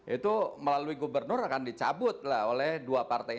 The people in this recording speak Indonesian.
itu melalui gubernur akan dicabut oleh dua partai